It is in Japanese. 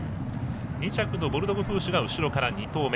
２着のボルドグフーシュ後ろから２頭目。